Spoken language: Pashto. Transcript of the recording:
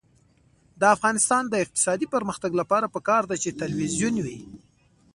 د افغانستان د اقتصادي پرمختګ لپاره پکار ده چې تلویزیون وي.